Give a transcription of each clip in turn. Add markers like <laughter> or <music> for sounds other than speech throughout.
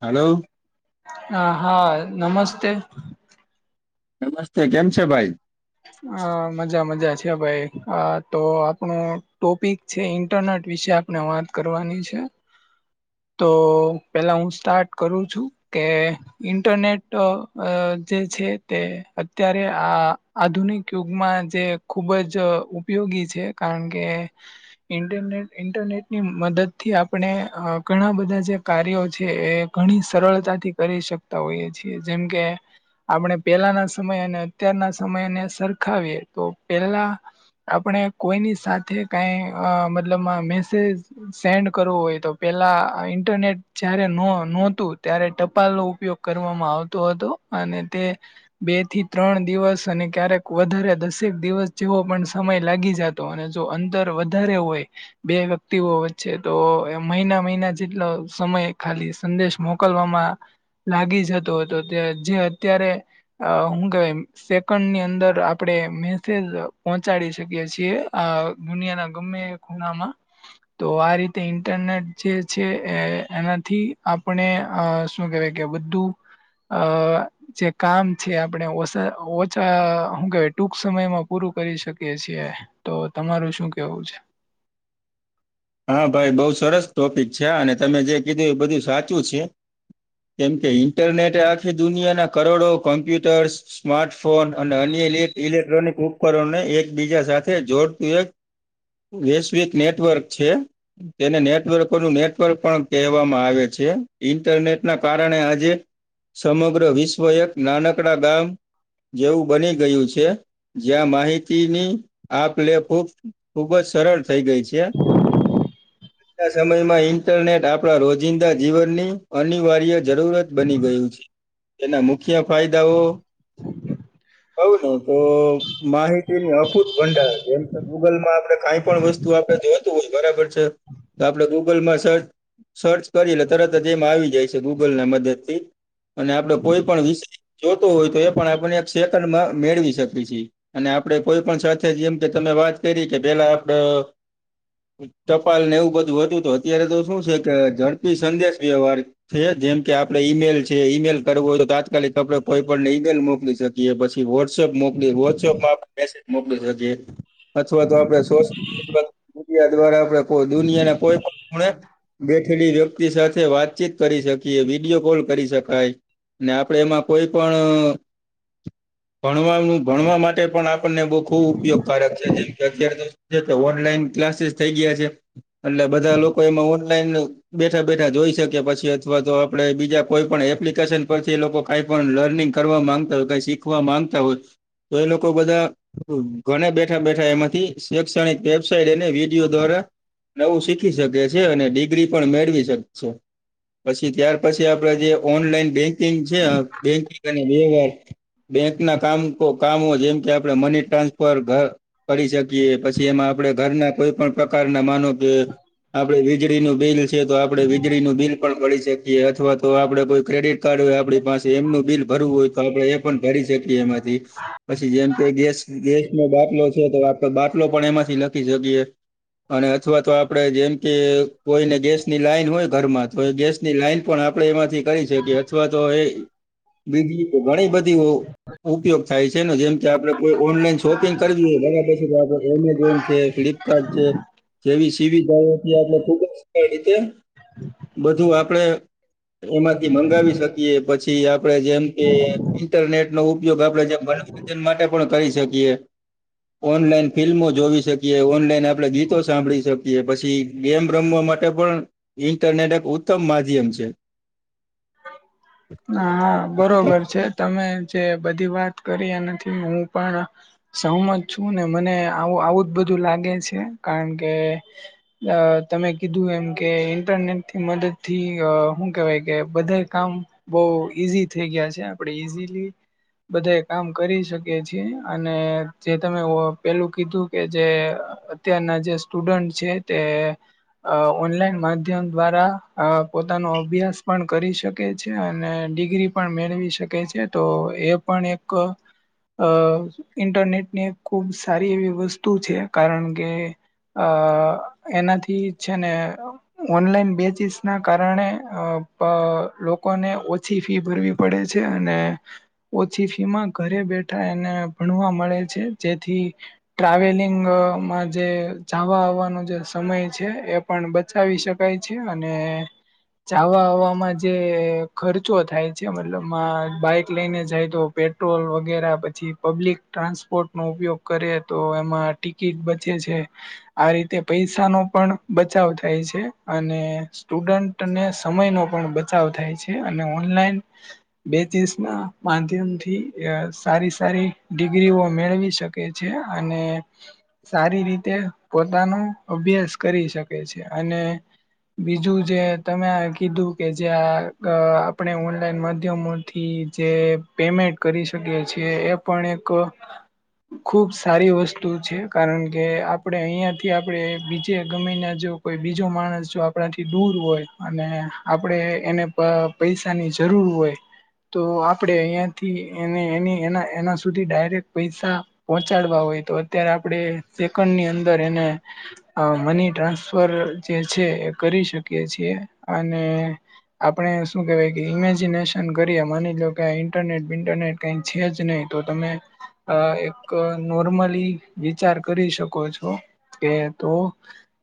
Hello. હા, હા નમસ્તે. નમસ્તે કેમ છે ભાઈ? હ મજા મજા છે ભાઈ આ તો આપણું ટોપિક જે ઇન્ટરનેટ વિશે આપણે વાત કરવાની છે. <inaudible> તો પહેલાં હું સ્ટાર્ટ કરું છું કે ઇન્ટરનેટ જે છે તે અત્યારે આ આધુનિક યુગમાં જે ખૂબ જ ઉપયોગી છે કારણ કે ઇન્ટરનેટ ઇન્ટરનેટની મદદથી આપણે ઘણા બધા જે કાર્યો છે એ ઘણી સરળતાથી કરી શકતા હોઈએ છીએ જેમ કે આપણે પેલાના સમય અને અત્યારના સમયને સરખાવીએ તો પેલા આપણે કોઈની સાથે કઈ મતલબ મેસેજ સેન્ડ કરવું હોય તો પેલા ઇન્ટરનેટ જયારે નહોતું ત્યારે ટપાલ નો ઉપયોગ કરવામાં આવતો હતો અને તે બે થી ત્રણ દિવસ અને ક્યારેક વધારે દસેક દિવસ જેવો પણ સમય લાગી જતો અને જો અંતર વધારે હોય બે વ્યક્તિઓ વચ્ચે તો મહિના મહિના જેટલો સમય ખાલી સંદેશ મોક. મોકલવામાં લાગી જતો હતો જે અત્યારે હું કે <unintelligible> ની અંદર આપણે મેસેજ પહોંચાડી શકીએ છીએ આ દુનિયા ના ગમે ખુણામાં. તો આ રીતે ઇન્ટરનેટ જે છે એનાથી આપણે અ શું કેવા કે બધું અ જે કામ છે આપણે ઓ અચ્છા હું કેય ટૂંક સમયમાં પૂરું કરી શકીએ છીએ તો તમારું શું કેવું છે. હા ભાઈ બઉુ સરસ ટોપિક છે અને તમે જે કીધું એ બધું સાચું છે. કેમ કે ઇન્ટરનેટે આખી દુનિયાના કરોડો કોમ્પ્યુટર્સ સ્માર્ટફોન અને અન્ય ઇલેક્ટ્રોનિક ઉપકરણને એકબીજા સાથે જોડતું એક વૈશ્વિક નેટવર્ક છે. તેને નેટવર્ક નું નેટવર્ક પણ કહેવામાં આવે છે ઈન્ટરનેટ ના કારણે આજે સમગ્ર વિશ્વ એક નાનકડા ગામ જેવું બની ગયું છે. જ્યાં માહિતીની આપ લેપ ખૂબ જ સરળ થઈ ગઈ છે. આજના સમયમાં ઈન્ટરનેટ આપણા રોજિંદા જીવનની અનિવાર્ય જરૂરત બની ગયું છે. તેના મુખ્ય ફાયદાઓ હવ નને તો માહિતીની અફૂત ભંડાર જેમ કે ગૂગલમાં આપણે કઈ પણ વસ્તુ આપે જો હોય બરાબર છે તો આપડે ગૂગલમાં સર્ચ સર્ચ કરી એ તરત જ એમ આવી જાય છે ગૂગલ ના મદદ થી અને આપડો કોઈ પણ વિષય જોતોું હોય તો એ પણ આપને એક સેકન્ડમાં મેળવી શકીએ છેીએ અને આપડે કોઈ પણ સાથે જેમ કે તમે વાત કરી કે પેલા આપડ ચપાલ ને એવું બધું હતું તો અત્યારે તો શું છે કે ઝડપી સંધ્યાશ વ્યવહાર છે જેમ કે આપડે ઈમેલ છે ઈમેલ કરવું હોય તો તાત્કાલિક આપડે કોઈ પણણ ને ઈમેલ મોકલી શકી પછી વોટ્સએપ મોકલી વોટ્સએપમાં મેસેજ મોકલી શકી અથવા તો આપણે સો મીડિયા દ્વારા આપે કોઈ દુનિયાને કોઈ પણણે બેઠેલી વ્યક્તિ સાથે વાતચીત કરી શકીએ વિડીિયો કોલ કરી શકાય આપણેે એમાં કોઈ પણ ભણવાનું ભણવા માટે પણ આપને બ ખબ ઉપયોગકારક છે જેમ અત્યારે ઓનલાઈન ક્લાસીસ થઈ ગયા છે. એટલે બધા લોકો એમાં ઓનલાઈન બેઠા બેઠા જોઈ શકી પછી અથવા તો આપડે બીજા કોઈ પણ એપ્લિકેશન પરથી લોકો કાઈ પણ લર્નિંગ કરવા માંગતા હોય કઈ શીખવા માંગતા હોય તો એ લોકો બધા ઘને બેઠા બેઠા એમાંથી શૈક્ષણિક એ વિડીયો દ્વારા નવું શીખી શકે છે અને ડિગ્રી પણ મેળવી શકે છે. પછી ત્યાર પછી આપડે જે ઓનલાઈન બેંકિંગ છે બેંકિંગ અને વ્યવહાર બેંક ના કામ કામો જેમ કે આપણે મની ટ્રાન્સફર ઘર કરીડી શકીએ પછી એમાં આપણે ઘરના કોઈ પણ પ્રકારના માનો કે. આપડે વીજળી નું બિલ છે તો આપડ વીજળીનું બિલ પણ શકીએ અથવા તો આપડે કોઈ ક્રેડિટ કાર્ડ હોય આપણી પાસે એમનું બિલ ભરવું હોય. આપડે એ પણ ભરી શકીએ એમાં. પછી જેમ કે ગેસ ગેસ નો બાટલો છે તો આપ બાટલો પણ એમાંથી લખી શકીએ. અને અથવા તો આપડે જેમ કે કોઈને ગેસની લાઈન હોય ઘરમાં તો ગેસ ની લાઈન પણ આપણે એમાંથી કરી શકીએ અથવા તો એ બીજી ઘણી બધી ઉપયોગ થાય છે ને જેમ કે આપડેઈ ઓનલાઈન શોપિંગ કરવી હોય બરાબર એ ફ્લિપકાર્ટ છે જેવી સીવીિધ એટલે ખૂબ જ રીતે હમ બધું આપડે એમાંથી મંગાવી શકીએ પછી આપડે જેમ કે ઇન્ટરનેટ નો ઉપ ગ આપે જે મનોરંજન માટે પણ કરી શકીએ. ઓનલાઈન ફિલ્મો જોવી, કે ઓનલાઈન આપે ગીતો સાંભળી શકીએ. કે પછી ગેમ રમવા માટે પણ ઇન્ટરનેટ એક ઉત્તમ માધ્યમ છે. <inaudible> હ હા બરોબર છે. તમે જે બધી વાત કરી એના હું પણ સહમત છું ને મને આવું આવું જ બધું લાગે છે. કારણ કે તમે કીધું એમ કે ઇન્ટરનેટની મદદથી શું કહેવાય કે બધા કામ બહુ ઈઝી થઈ ગયા છે મ. આપણે ઈઝીલી બધા કામ કરી શકી છેીએ અને જે તમે પેલું કીધું કે જે અત્યારના જે સ્ટુડન્ટ છે તે અહ ઓનલાઈન માધ્યમ દ્વારા અહ પોતાનો અભ્યાસ પણ કરી શકે છે અને ડિગ્રી પણ મેળવી શકે છે. તો એ પણ એક અહ અહ ઇન્ટરનેટ ની એક ખૂબ સારી એવી વસ્તુ છે. કારણ કે અ એનાથી છે ને ઓનલાઈન બેજીસ ના કારણે લોકોને ઓછી ફી ભરવી પડે છે. અને ઓછી ફી માં ઘરે બેઠા એને ભણવા મળે છે. જેથી ટ્રાવેલિંગમાં જે જવા આવવાનો જે સમય છે એ પણ બચાવી શકાય છે અને ચાવા આવામાં જે અહ ખર્ચો થાય છે મતલબ અહ બાઈક લઈને જાય તો પેટ્રોલ વગેરા પછી પબ્લિક ટ્રાન્સપોર્ટ નો ઉપયોગ કરે તો એમાં ટિકિટ બચે છે. આ રીતે પૈસા નો પણ બચાવ થાય છે. અને સ્ટુડન્ટને સમય નો પણ બચાવ થાય છે. અને ઓનલાઈન બે ત્રીસ ના માધ્યમ થી અહ સારી સારી ડિગ્રીઓ મેળવી શકે એ છે. અને સારી રીતે પોતાનો અભ્યાસ કરી શકે છે. અને બીજું જે તમે આ કીધું કે જે આ અહ આપણે ઓનલાઈન માધ્યમોથી જે પેમેન્ટ કરી શકીએ છીએ એપ પણ એક ખૂબ સારી વસ્તુ છે, કારણ કે આપડે અહીયાથી આપડે બીજે ગમૈના જો કોઈ બીજો માણસ જો આપણાથી દૂર હોય અને આપડે એને પ-પૈસાની જરૂર હોય તો આપડે અહીંયાથી એને એની એ એના સુધી ડાયરેક્ટ પૈસા પહોંચાડવા હોય તો અત્યારે આપડે સેકન્ડ ની અંદર એને અહ મની ટ્રાન્સફર જે છે એ કરી શકીએ છીએ. અને આપણે શું કેહેવાય કે ઇમેજિનેશન કરીએ માની લોકા એ ઇન્ટરનેટ બિન્ટરનેટ કઈ છે જ નહીં તો તમે અહ એક નોર્મલી વિચાર કરી શકો છો કે તો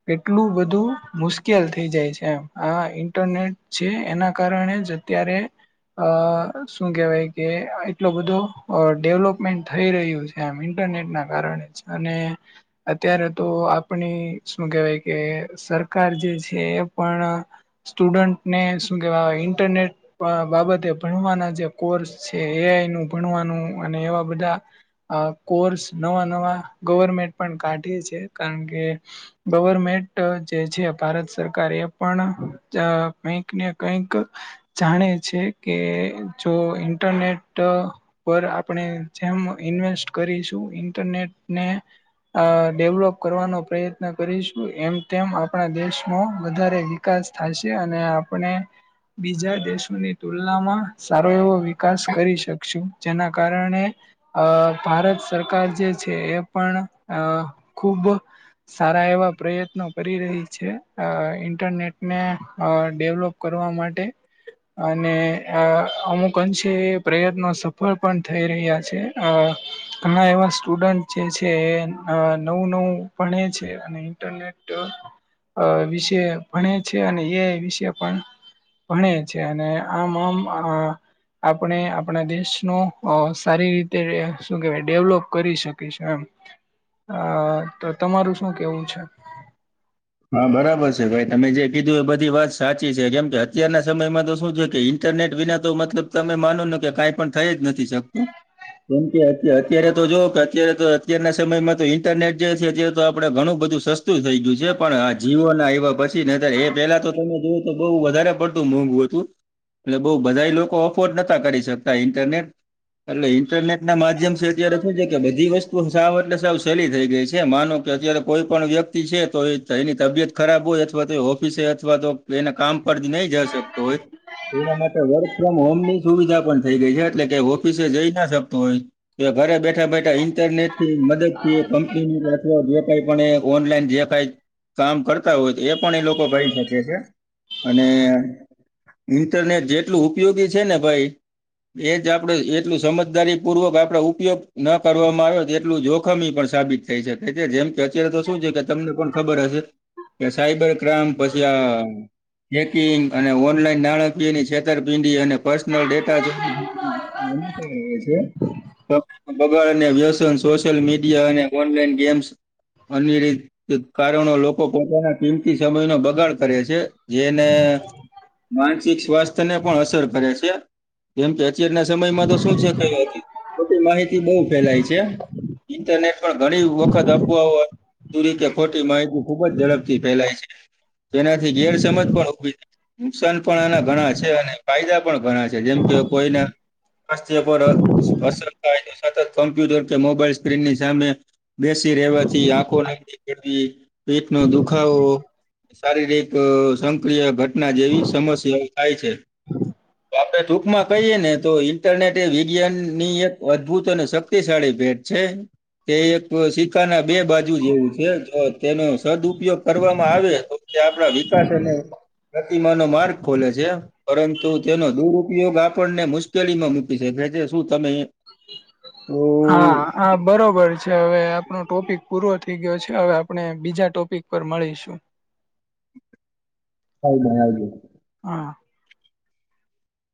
કેટલું બધું મુશ્કેલ થઈ જાય છે. આ ઇન્ટરનેટ છે એના કારણે જ અત્યારે અહ શું કેહેવાય કે એટલો બધો અહ ડેવલોપમેન્ટ થઈ રયુ છે એમ ઇન્ટરનેટના કારણે જ અને અત્યારે તો આપણી શું કેહેવાય કે સરકાર જે છે એ પણ સ્ટુડન્ટને શું કેવાવાય ઇન્ટરનેટ અહ બાબતે ભણવાના જે કોર્સ છે એ આઈ નું ભણવાનું અને એવા બધા અહ કોર્સ નવા નવા ગવર્મેન્ટ પણ કાઢે છે, કારણ કે ગવર્મેન્ટ જે છે. ભારત સરકાર એ પણ જા કંઇક ને કંઈક જાણે છે, કે જો ઇન્ટરનેટ અહ પર આપણે જેમ ઇન્વેસ્ટ કરીશું, ઇન્ટરનેટ ને અહ ડેવલોપ કરવાનો પ્રયત્ન કરીશું. એમ તેમ આપણા દેશનું વધારે વિકાસ થાશે અને આપણે બીજા દેશોની તુલનામાં સારો એવો વિકાસ કરી શકશું. જેના કારણે અહ ભારત સરકાર જે છે, એ પણ અહ ખુબ સારા એવા પ્રયત્નો કરી રહી છે. અહ ઇન્ટરનેટ ને અહ ડેવલોપ કરવા માટે અને અહ અમુક અંશે એ પ્રયત્નો સફળ પણ થઈ રહ્યા છે. અહ ઘણા એવા સ્ટુડન્ટ જે છે. એ અહ નવું નવું ભણે છે અને ઇન્ટરનેટ તો અહ વિશે ભણે છે, અને એ વિશે પણ ભણે છે, અને આમ આમ અહ આપણે આપણા દેશનો અહ સારી રીતે શું કેવાય ડેવલોપ કરી શકીશે એમ. હ તો તમારું શું કેવું છે? હા બરાબર છે ભાઈ. તમે જે કીધું એ બધી વાત સાચી છે કેમ કે અત્યારના સમયમાં તો શું છે કે ઈન ઇન્ટરનેટ વિના તો મતલબ તમે માનો ન કે કંઈ પણ થઈ જ નથી શકતું. કેમ કે અત્ય-અત્યારે તો જો કે અત્યારે તો અત્યારના સમયમાં તો ઈન્ટરનેટ જે છે જો છે અત્યારે તો આપડે ઘણું બધું સસ શું થઈ ગયુ છે. પણ આ જીવો ને આવયા પછી નતર એ પેલા તો તમે જોય તો બહુ વધારે પડતું મોંઘું હતું. એટલે બઉ બધા લોકો ઓફોર્ડ નતા કરી શકતા ઇન્ટરનેટ એટલે ઈન્ટરનેટ ના માધ્યમ છે અત્યારે શું છે કે બધી વસ્તુ સાવ એટલે સાવ સેલી થઈ ગઈ છે. માનો કે અત્યારે કોઈ પણણ વ્યક્તિ છે. તો એ એની તબિયત ખરાબ હોય અથવા તો એ ઓફિસે અથવા તો એના કામ પરતી નઈ જય શકતો હોય, તો એના માટે વર્ક ફ્રોમ હોમ ની સુવિધા પણ થઈ ગઈ છે. એટલે કઈ ઓફિસે જઈ ના શકતો હોય. તો ઘરે બેઠા બેઠા ઇન્ટરનેટ થી મદદ થી એ કંપનીની અથવા જે કઈ પણ એ ઓનલાઈન જે કાય કામ કરતા હોય તો એ પણ એ લોકો ભાઈ શેકે છે, અને ઇન્ટરનેટ જેટલું ઉપયોગી છે ને ભાઈ. એજ આપડે એટલું સમજદારી પૂર્વક આપડ ઉપયોગ ન કરવામાં આવે તો એટલું જોખમી પણ સાબિત થઈ શકે છે. જેમ કે અત્યારે તો શું છે કે તમને પણ ખબર હશે. કે સાઈબર ક્રાઈમ પછી આ ચેકિંગ અને ઓનલાઈન નાણાકીયની છેતરપિંડી અને પર્સનલ ડેટા જો <unintelligible> છે. બગાડ અને વ્યસન સોશિયલ મીડિયા અને ઓનલાઈન ગેમ્સ અન્ય રીત કારણો લોકો પોતાના કિંમતી સમય નો બગાડ કરે છે. જેને માનસિક સ્વાસ્થ્ય ને પણ અસર કરે છે. કેમ કે અત્યારના સમયમાં તો શું છે કાઈ ખોટી માહિતી બઉ ફેલાય છે. ઇન્ટરનેટ પણ ઘણી વખત અપવાઓ હુંરીતે ખોટી માહિતી ખુબ જ ઝડપથી ફેલાય છે. તેનાથી ગેરસમજ પણ ઉભી થાય, નુકસાન પણ આના ઘણા છે, અને કાયદા પણ ઘણા છે, જેમ કે કોઈના સ્વાસ્થ્ય પર અસર થાય તો સતત કોમ્પ્યુટર કે મોબાઈલ સ્ક્રીનની સામે. બેસી રહેેવાથી આંખોના લી કેળવી પેટનો દુખાવો. શારીરિક સંક્રિય ઘટના જેવી સમસ્યા થાય છે, આપે ટૂંકમાં કહીયે ને તો એ વિજ્ઞાન ની એક અદભુત અને શક્તિશાળી ભેટ છે, તે એક કા ના બે બાજુ જ એવું છે. તેનો સદઉપયોગ કરવામાં આવે તો તે આપણા વિકાસ ન પ્રતિમા નો માર્ગ ખોલે છે. પરંતુ તેનો દુરુપયોગ આપણને મુશ્કેલીમાં મૂકી શકે જે શું તમે તો હા. હા બરાબર છે હવે આપણો ટોપિક પૂરો થઈ ગયો છે હવે આપણે બીજા ટોપિક પર મળીશું. હદ હજ <unintelligible> હા.